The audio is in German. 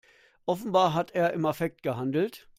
Offenbar hat er im Affekt gehandelt.